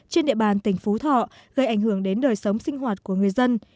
trên địa bàn tỉnh phú thọ gây ảnh hưởng đến đời sống sinh hoạt của người dân